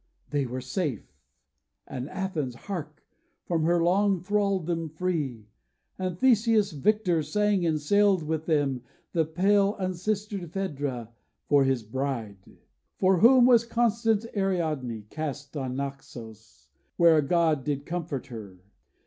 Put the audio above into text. They were safe, And Athens, hark! from her long thraldom free! And Theseus, victor, sang and sailed with them, The pale unsistered Phædra for his bride, For whom was constant Ariadne cast On Naxos, where a god did comfort her.